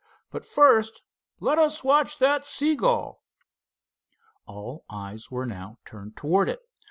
But first let us watch that seagull." All eyes were now turned toward it.